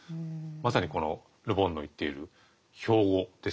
まさにこのル・ボンの言っている標語ですよね。